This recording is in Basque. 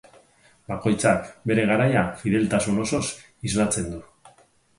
Bakoitzak bere garaia fideltasun osoz islatzen du.